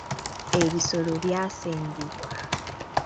Ebisolo byasengulwa.